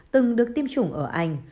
từng được tiêm chủng ở anh